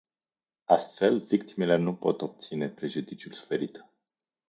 Astfel, victimele nu pot obține prejudiciul suferit.